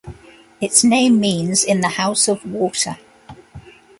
Its name means "in the house of water".